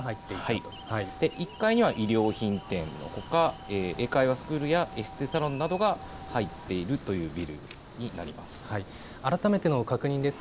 １階には衣料品店のほか英会話スクールやエステサロンなどが入っているというビルになります。